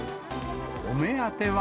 お目当ては。